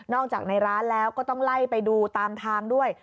จากในร้านแล้วก็ต้องไล่ไปดูตามทางด้วย